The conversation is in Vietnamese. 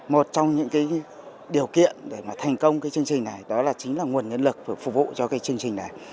một trong những điều kiện để mà thành công cái chương trình này đó là chính là nguồn nhân lực phục vụ cho cái chương trình này